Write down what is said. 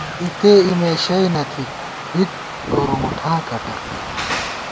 اِتےاِمےشئی نہ تھِت بِت گورُو مُٹھاں کٹَک